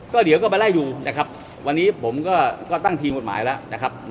ก็เดี๋ยวก็ไปไล่ดูนะครับวันนี้ผมก็ตั้งทีมกฎหมายแล้วนะครับ